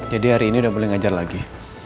jadi hari ini udah boleh ngajar lagi